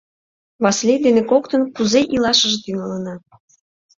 «Васлий дене коктын кузе илашыже тӱҥалына?